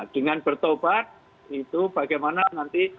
dengan bertobat itu bagaimana nanti